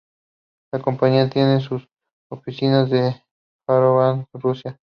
La compañía tiene sus oficinas en Yaroslavl, Rusia.